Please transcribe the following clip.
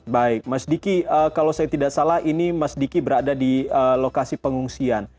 baik mas diki kalau saya tidak salah ini mas diki berada di lokasi pengungsian